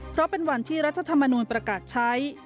เพราะเป็นวันที่รัฐธรรมนูลประกาศใช้